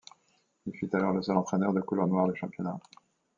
Il fut alors le seul entraineur de couleur noire du championnat.